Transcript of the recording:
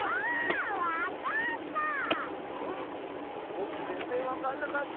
ぼくぜんぜんわかんなかった！